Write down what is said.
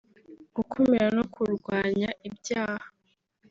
gukumira no kurwanya ibyaha